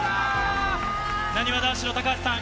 なにわ男子の高橋さん。